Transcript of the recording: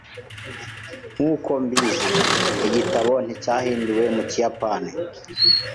Nkuko mbizi, igitabo nticyahinduwe mu kiyapani.